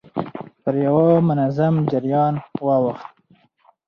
پر يوه منظم جريان واوښت.